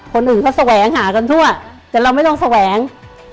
คนอื่นเขาแสวงหากันทั่วแต่เราไม่ลองแสวง